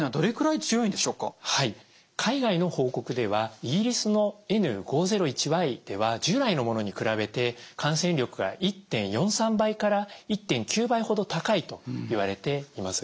海外の報告ではイギリスのＮ５０１Ｙでは従来のものに比べて感染力が１．４３倍から１．９倍ほど高いといわれています。